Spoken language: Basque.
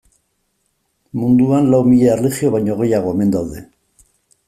Munduan lau mila erlijio baino gehiago omen daude.